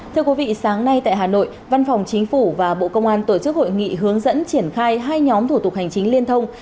thưa quý vị sáng nay tại hà nội văn phòng chính phủ và bộ công an tổ chức hội nghị hướng dẫn triển khai hai nhóm thủ tục hành chính liên thông